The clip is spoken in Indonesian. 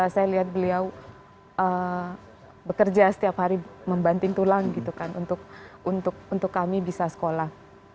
saya lihat beliau bekerja setiap hari membanting tulang gitu kan untuk kami bisa sekolah